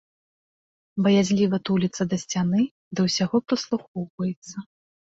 Баязліва туліцца да сцяны, да ўсяго прыслухоўваецца.